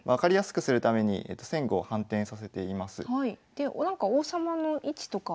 でなんか王様の位置とか。